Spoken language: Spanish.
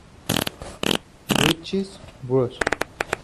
Ritchie Bros.